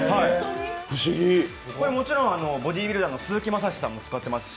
もちろんボディービルダーのスズキマサシさんも使っておりますし。